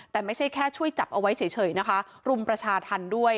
แต่ไม่ใช่แค่ช่วยจับเอาไว้เฉยนะคะรุมประชาธรรมด้วย